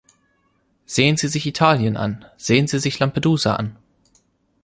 Sehen Sie sich Italien an, sehen Sie sich Lampedusa an.